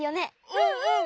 うんうん！